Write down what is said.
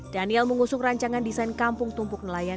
daniel mengusung rancangan desain kampung tumpuk nelayan